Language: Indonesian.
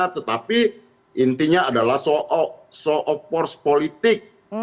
tetapi intinya adalah soal show of force politik